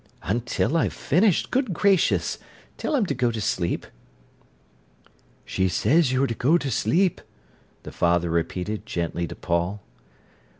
"Until I've finished, good gracious! Tell him to go to sleep." "She says you're to go to sleep," the father repeated gently to Paul.